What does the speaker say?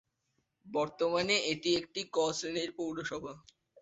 বর্তমানে এটি একটি 'ক' শ্রেণীর পৌরসভা।